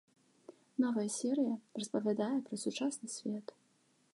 Новая серыя распавядае пра сучасны свет.